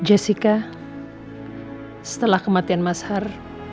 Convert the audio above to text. jessica setelah kematian mas har